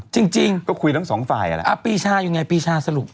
จริงจริงก็คุยทั้งสองฝ่ายอ่ะอ่ะปีชาอยู่ไงปีชาสรุป